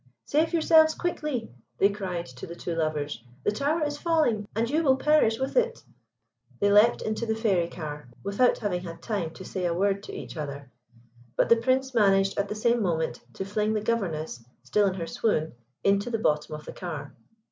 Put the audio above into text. "Save yourselves quickly," they cried to the two lovers. "The tower is falling, and you will perish with it." They leapt into the fairy car, without having had time to say a word to each other; but the Prince managed at the same moment to fling the Governess, still in her swoon, into the bottom of the car.